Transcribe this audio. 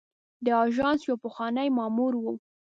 د آژانس یو پخوانی مامور و.